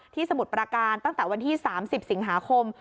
สมุทรประการตั้งแต่วันที่๓๐สิงหาคม